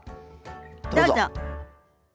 どうぞ。